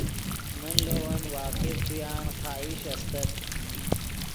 من لے ون واقف ݰویان خواہش استت